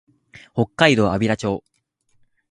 北海道安平町